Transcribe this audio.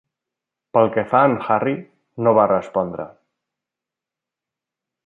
Pel que fa a en Harry, no va respondre.